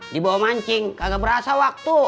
dibawa mancing agak berasa waktu